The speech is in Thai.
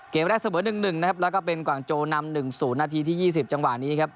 เกมแรกเสมอหนึ่งหนึ่งนะครับแล้วก็เป็นกว่างโจนำหนึ่งศูนย์นาทีที่ยี่สิบจังหวะนี้ครับ